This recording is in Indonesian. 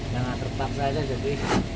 ya gak terpaksa aja jadi